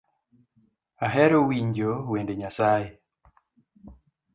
Ahero winjo wende nyasae